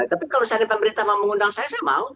tapi kalau seandainya pemerintah mau mengundang saya saya mau